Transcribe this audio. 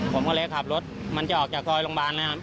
ผมก็เลยขับรถมันจะออกจากซอยโรงพยาบาลนะครับ